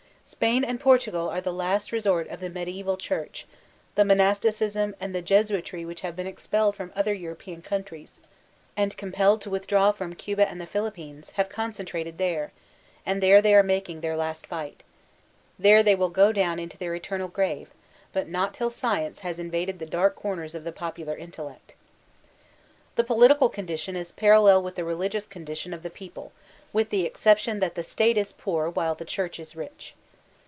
Spain and Portugal are the last resort of the mediaeval church; the monasticism and the Jesuitry which have been expelled from other European countries, and compelled to withdraw from Cuba and the Philip pines, have concentrated there ; and there they are making their last fight There they will go down mto their eternal grave; but not till Science has invaded the dark comers of the popular intellect The political condition is parallel with the religious condition of the people, with the exception that the State is poor while the Church b rich.